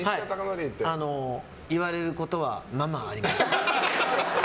言われることはままあります。